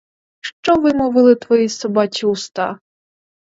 Що вимовили твої собачі уста?